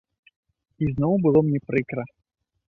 І зноў было мне прыкра.